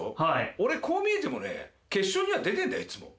俺こう見えてもね決勝には出てんだいつも。